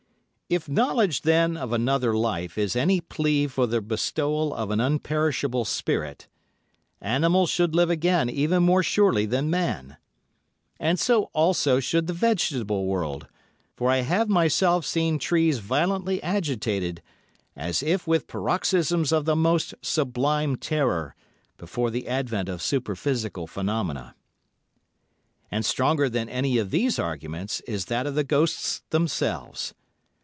If knowledge, then, of another life is any plea for the bestowal of an unperishable spirit, animals should live again even more surely than man. And so also should the vegetable world, for I have myself seen trees violently agitated, as if with paroxysms of the most sublime terror, before the advent of superphysical phenomena. And stronger than any of these arguments is that of the ghosts themselves.